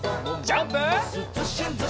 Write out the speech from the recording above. ジャンプ！